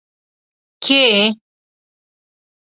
کې